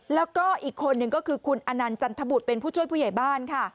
แล้วก็อีกคนนึงก็คือคุณอนันต์จันทบุตรเป็นผู้ช่วยผู้ใหญ่บ้านค่ะ